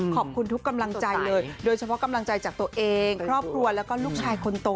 ขอบคุณทุกกำลังใจเลยโดยเฉพาะกำลังใจจากตัวเองครอบครัวแล้วก็ลูกชายคนโต